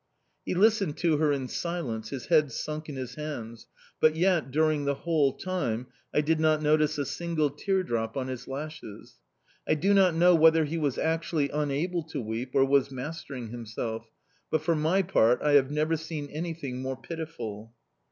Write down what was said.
"He listened to her in silence, his head sunk in his hands; but yet, during the whole time, I did not notice a single tear drop on his lashes. I do not know whether he was actually unable to weep or was mastering himself; but for my part I have never seen anything more pitiful.